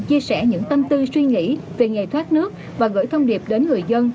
chia sẻ những tâm tư suy nghĩ về nghề thoát nước và gửi thông điệp đến người dân